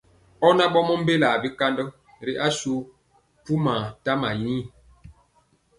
Ɔ na ɓɔmɔ mbelaa bikandɔ ri asu pumaa tama yi.